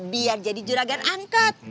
biar jadi juragan angkot